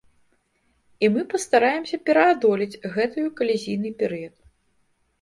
І мы пастараемся пераадолець гэтую калізійны перыяд.